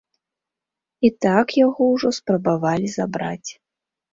І так яго ўжо спрабавалі забраць.